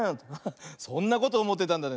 そんなことおもってたんだね。